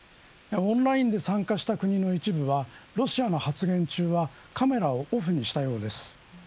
オンラインで参加した国の一部はロシアの発言中はカメラをオフにしたようです。